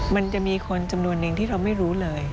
มันจะมีคนจำนวนหนึ่งที่เราไม่รู้เลย